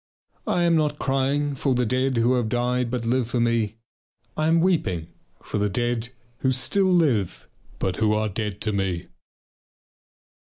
I am not crying for the dead who have died but live for me. I am weeping for the dead who still live but who are dead to me....